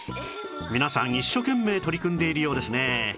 皆さん一生懸命取り組んでいるようですね